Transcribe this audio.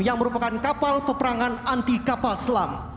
yang merupakan kapal peperangan anti kapal selam